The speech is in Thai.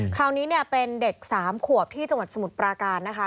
คราวนี้เนี่ยเป็นเด็ก๓ขวบที่จังหวัดสมุทรปราการนะคะ